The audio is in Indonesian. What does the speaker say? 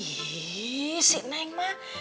ih sih neng mah